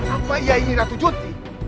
apa ia ini ratu junti